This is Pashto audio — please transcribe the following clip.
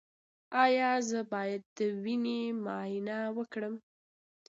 ایا زه باید د وینې معاینه وکړم؟